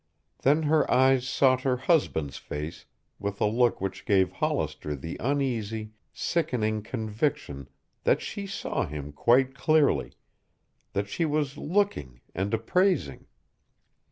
Then her eyes sought her husband's face with a look which gave Hollister the uneasy, sickening conviction that she saw him quite clearly, that she was looking and appraising.